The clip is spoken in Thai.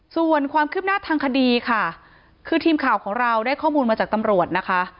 ส่วนความคืบหน้าทางคดีค่ะคือทีมข่าวของเราได้ข้อมูลมาจากตำรวจนะคะ